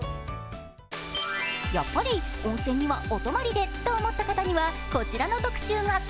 やっぱり温泉にはお泊まりでと思った方には、こちらの特集が。